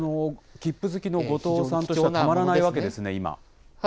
切符好きの後藤さんとしてはたまらないわけですね、今。